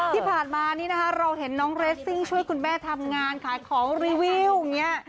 ที่ผ่านมานี่นะคะเราเห็นน้องเรสซิ่งช่วยคุณแม่ทำงานขายของรีวิวอย่างนี้